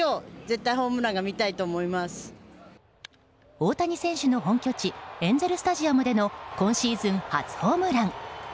大谷選手の本拠地エンゼル・スタジアムでの今シーズン初ホームラン。